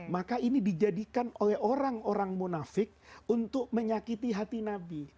maka ini dijadikan oleh orang orang munafik untuk menyakiti hati nabi